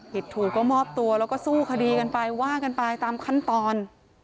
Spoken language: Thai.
ผิดถูกก็มอบตัวแล้วก็สู้คดีกันไปว่ากันไปตามขั้นตอน